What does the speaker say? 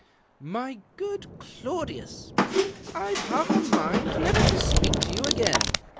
" My good Claudius, " I've half a mind never to speak to you again.